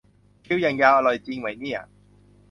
คิวอย่างยาว อร่อยจริงไหมเนี่ย